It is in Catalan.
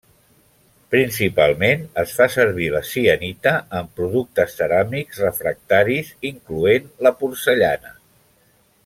Principalment es fa servir la cianita en productes ceràmics refractaris incloent la porcellana.